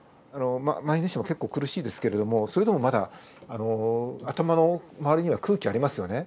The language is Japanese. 満員電車も結構苦しいですけれどもそれでもまだ頭の周りには空気ありますよね。